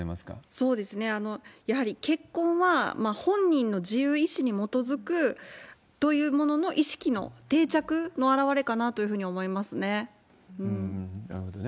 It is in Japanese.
そうですね、やはり結婚は、本人の自由意思に基づくというものの意識の定着の表れかなというなるほどね。